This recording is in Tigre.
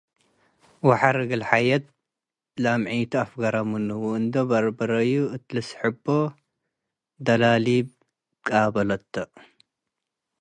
ወሐር እግል ሐየት ለአምዒቱ አፍገረ ምኑ' ወእንዶ በርበረዩ እት ልስሕቦ፣ ደላ'ሊብ ትቃበለቶ።